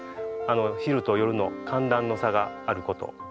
昼と夜の寒暖の差があること。